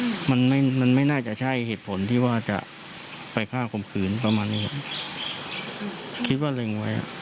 มันไม่มันไม่น่าจะใช่เหตุผลที่ว่าจะไปฆ่าข่มขืนประมาณนี้คิดว่าเร็งไว้อ่ะ